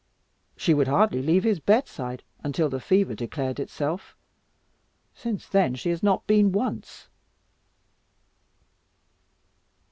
"She would hardly leave his bedside, until the fever declared itself. Since then she has not been once."